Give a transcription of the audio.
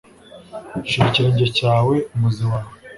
Shira ikirenge cyawe, umuzi wawe,